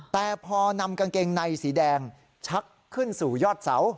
แต่พอนำกางเกงในสีแดงชักขึ้นสู่ยอดเสา